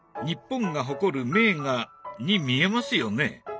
日本が誇る名画に見えますよね？